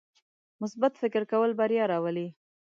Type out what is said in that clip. مثبت فکر کول بریا راولي.